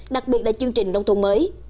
đặc biệt là chương trình nông thôn mới